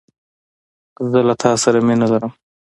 زه له تاسره مينه لرم